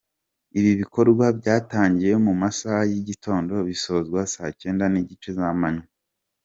Ibi bikorwa byatangiye mu masaha y’igitondo bisozwa saa cyenda n’igice z’amanywa.